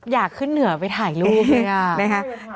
อยากขึ้นเหนือไปถ่ายรูปเนี่ยนะคะ